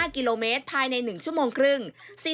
๕กิโลเมตรภายใน๑ชั่วโมงครึ่ง